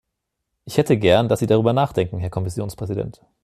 Ich hätte gern, dass Sie darüber nachdenken, Herr Kommissionspräsident.